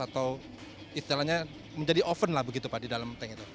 atau istilahnya menjadi oven lah begitu pak di dalam tank itu